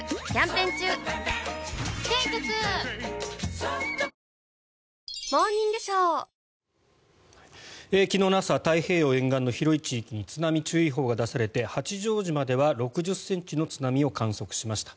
ペイトク昨日の朝太平洋沿岸の広い地域に津波注意報が出されて八丈島では６０ｃｍの津波を観測しました。